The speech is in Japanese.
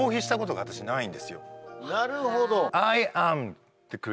なるほど。